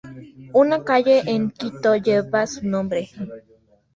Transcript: Una calle en Quito lleva su nombre.